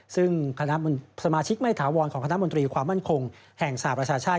ซึ่งคณะสมาชิกไม่ถาวรของคณะมนตรีความมั่นคงแห่งสหประชาชาติ